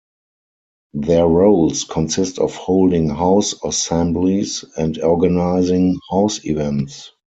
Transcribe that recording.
Their roles consist of holding house assemblies and organising house events.